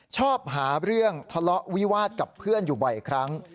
ชอบหาเรื่องทะเลาะวิวาสกับเพื่อนอยู่บ่อยครั้ง